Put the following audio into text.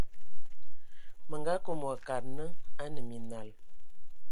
Mə nga kom wa kad nə a nə minal.